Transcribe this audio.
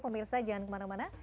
pemirsa jangan kemana mana